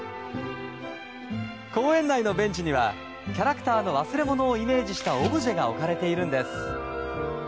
公園内のベンチにはキャラクターの忘れ物をイメージしたオブジェが置かれているんです。